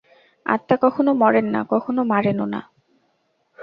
আত্মা কখনও মরেন না, কখনও মারেনও না।